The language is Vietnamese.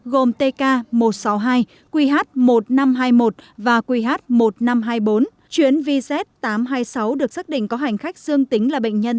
gồm tk một trăm sáu mươi hai qh một nghìn năm trăm hai mươi một và qh một nghìn năm trăm hai mươi bốn chuyến vz tám trăm hai mươi sáu được xác định có hành khách dương tính là bệnh nhân